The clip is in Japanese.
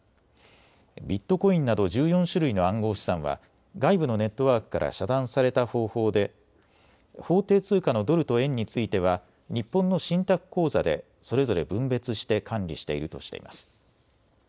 ビットコインなど１４種類の暗号資産は外部のネットワークから遮断された方法で法定通貨のドルと円については日本の信託口座でそれぞれ分別して管理しているとしています。